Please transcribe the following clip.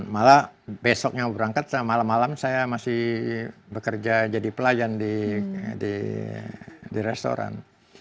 malah besoknya berangkat malam malam saya masih bekerja jadi pelayan di restoran